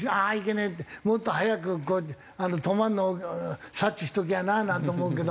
もっと早く止まるのを察知しときゃあななんて思うけど。